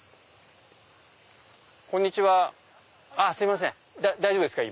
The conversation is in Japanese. こんにちはすいません大丈夫ですか？